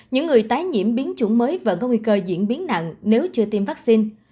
những người tái nhiễm biến chủng mới và có nguy cơ diễn biến nặng nếu chưa tiêm vaccine